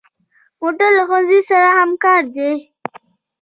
موټر له ښوونځي سره همکار دی.